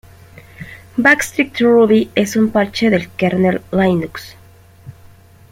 Backstreet Ruby es un parche del kernel Linux.